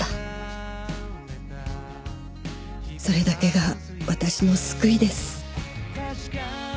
それだけが私の救いです。